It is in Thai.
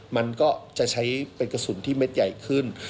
มันก็จะใช้เป็นกระสุนที่เม็ดใหญ่ขึ้น